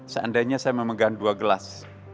seandainya saya memegang dua gelas